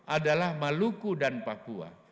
adalah maluku dan papua